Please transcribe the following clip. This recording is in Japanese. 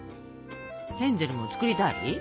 ヘンゼルも作りたい？